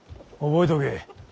覚えとけ。